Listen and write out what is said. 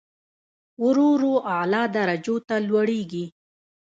ورو ورو اعلی درجو ته لوړېږي.